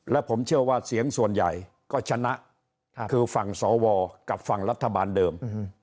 และผมเชื่อว่าเสียงส่วนใหญ่ก็ชนะคือฝั่งสวกับฝั่งรัฐบาลเดิม